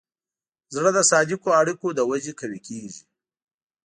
زړه د صادقو اړیکو له وجې قوي کېږي.